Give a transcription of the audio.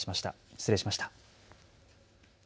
失礼しました。